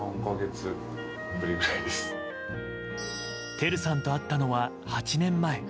照さんと会ったのは８年前。